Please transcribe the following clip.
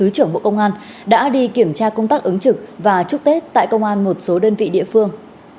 trưởng bộ công an đã đi kiểm tra công tác ứng trực và chúc tết tại công an một số đơn vị địa phương